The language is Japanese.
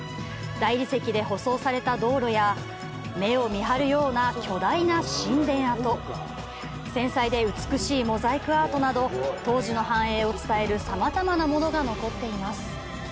大理石で舗装された道路や目を見張るような巨大な神殿跡、繊細で美しいモザイクアートなど、当時の繁栄を伝えるさまざまなものが残っています。